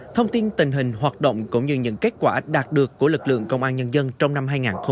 thông tin tình hình hoạt động cũng như những kết quả đạt được của lực lượng công an nhân dân trong năm hai nghìn hai mươi ba